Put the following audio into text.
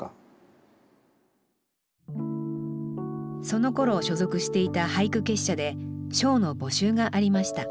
そのころ所属していた俳句結社で賞の募集がありました